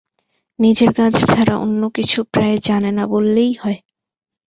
নিজের কাজ ছাড়া অন্য কিছু প্রায় জানে না বললেই হয়।